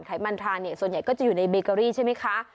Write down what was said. ไมันทราเนี่ยส่วนใหญ่ก็จะอยู่ในเบเกอรี่ใช่ไหมคะ